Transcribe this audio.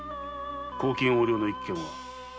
公金横領の一件は？